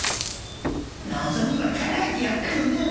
望みはかなえてやったのねん。